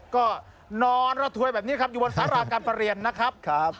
ก็นอนและถวยอยู่บนทรัศนาการประเรียนนะครับ